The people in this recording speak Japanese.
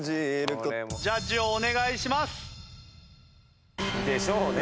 ジャッジをお願いします。でしょうね。